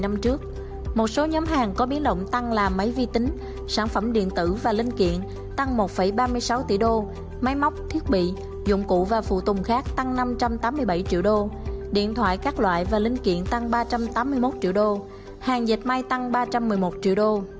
năm trước một số nhóm hàng có biến động tăng là máy vi tính sản phẩm điện tử và linh kiện tăng một ba mươi sáu tỷ đô máy móc thiết bị dụng cụ và phụ tùng khác tăng năm trăm tám mươi bảy triệu đô điện thoại các loại và linh kiện tăng ba trăm tám mươi một triệu đô hàng dịch may tăng ba trăm một mươi một triệu đô